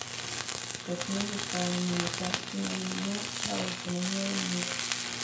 Los chinos buscaban minimizar, si no eliminar, la autonomía de Mongolia.